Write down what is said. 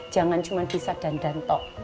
jangan cuma bisa dandanto